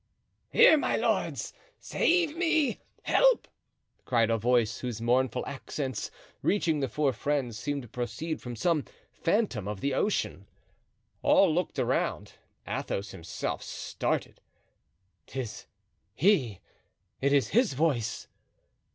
"Here, my lords! save me! help!" cried a voice, whose mournful accents, reaching the four friends, seemed to proceed from some phantom of the ocean. All looked around; Athos himself stared. "'Tis he! it is his voice!"